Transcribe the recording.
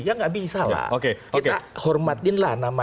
ya tidak bisa lah kita hormatin